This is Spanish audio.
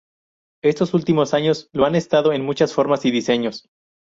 Estos últimos años, lo han estado en muchas formas y diseños.